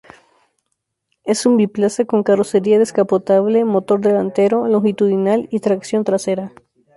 Es un biplaza con carrocería descapotable, motor delantero longitudinal y tracción trasera.